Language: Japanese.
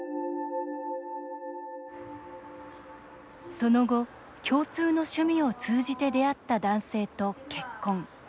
その後、共通の趣味を通じて出会った男性と結婚。